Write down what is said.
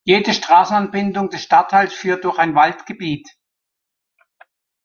Jede Straßenanbindung des Stadtteils führt durch ein Waldgebiet.